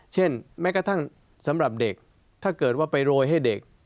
แม้กระทั่งสำหรับเด็กถ้าเกิดว่าไปโรยให้เด็ก